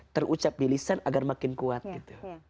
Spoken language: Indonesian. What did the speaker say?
terucap di lisan agar makin kuat gitu